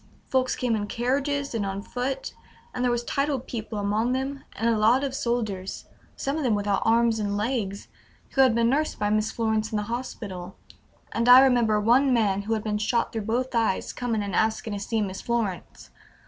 Folks came in carriages and on foot, and there was titled people among them, and a lot of soldiers, some of them without arms and legs, who had been nursed by Miss Florence in the hospital, and I remember one man who had been shot through both eyes coming and asking to see Miss Florence.